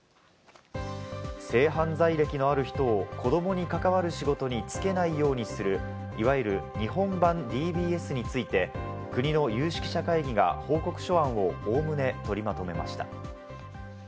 性犯罪歴のある人を子どもに関わる仕事につけないようにする、いわゆる日本版ＤＢＳについて、国の有識者会議が報告書案をおおむねとりまとめました。